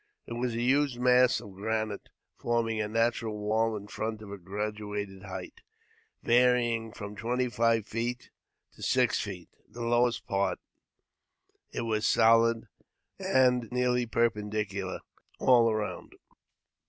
It was a huge mass of granite, forming a natural wall in front of a graduated height, varying from twenty five feet to six feet, the lowest part ; it was solid, an^ nearly perpendicular all round.